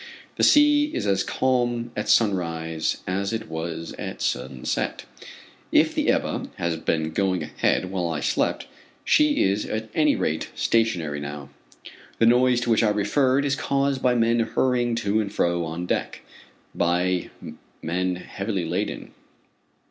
The sea is as calm at sunrise as it was at sunset. If the Ebba has been going ahead while I slept, she is at any rate, stationary now. The noise to which I referred, is caused by men hurrying to and fro on deck by men heavily laden.